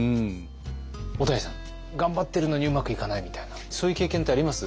小田井さん頑張ってるのにうまくいかないみたいなそういう経験ってあります？